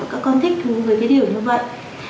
con thích thú với cái điều như vậy